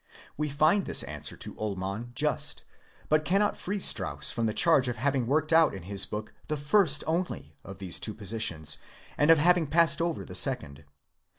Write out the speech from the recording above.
We find this answer to Ullmann just, but cannot free Strauss from the charge of having worked out in his book the first only of these two positions, and of having passed over the second.